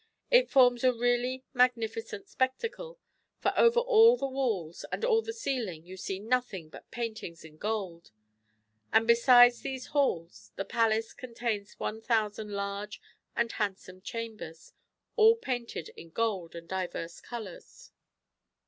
It forms a really magnificent spectacle, for over all the walls and all the ceiling you see nothing but paint ings in gold. And besides these halls the palace contains looo large and handsome chambers, all painted in gold and divers colours.